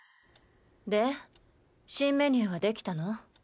で新メニューは出来たの？